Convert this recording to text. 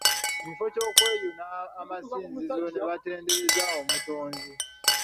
Mu kifo ky’okweyuna amasinzizo ne batendereza omutonzi.